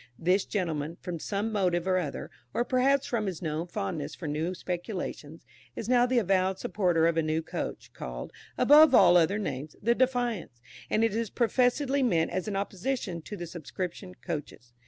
This gentleman, from some motive or other, or perhaps from his known fondness for new speculations, is now the avowed supporter of a new coach, called, above all other names, the "Defiance," and it is professedly meant as an opposition to the subscription coaches.